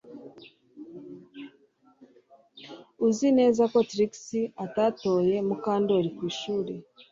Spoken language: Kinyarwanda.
Uzi neza ko Trix atatoye Mukandoli ku ishuri